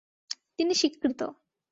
তিনি স্বীকৃত।